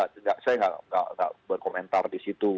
saya tidak berkomentar disitu